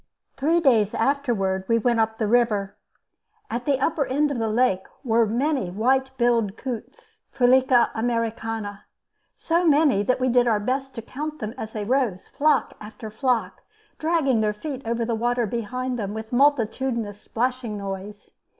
Three days afterward we went up the river. At the upper end of the lake were many white billed coots (Fulica americana); so many that we did our best to count them as they rose, flock after flock, dragging their feet over the water behind them with a multitudinous splashing noise.